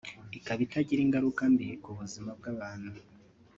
ikaba itagira ingaruka mbi ku buzima bw’abantu